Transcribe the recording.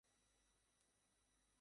আমরা যা কিছু করেছি তা জলে চলে যাবে।